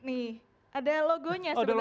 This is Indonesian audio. nih ada logonya sebenarnya